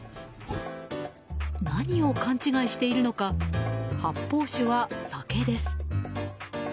何を勘違いしているのか発泡酒は酒です。